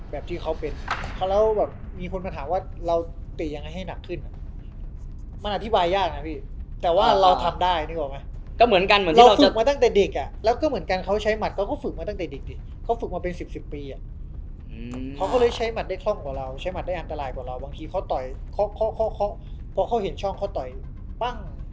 แบบที่เขาเป็นเขาแล้วแบบมีคนมาถามว่าเราเตะยังไงให้หนักขึ้นอ่ะมันอธิบายยากนะพี่แต่ว่าเราทำได้นึกออกไหมก็เหมือนกันเหมือนเราฝึกมาตั้งแต่เด็กอ่ะแล้วก็เหมือนกันเขาใช้หัดเขาก็ฝึกมาตั้งแต่เด็กดิเขาฝึกมาเป็นสิบสิบปีอ่ะเขาก็เลยใช้หัดได้คล่องกว่าเราใช้หัดได้อันตรายกว่าเราบางทีเขาต่อยเคาะเพราะเขาเห็นช่องเขาต่อยปั้ง